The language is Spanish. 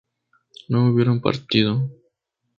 ¿no hubieron partido?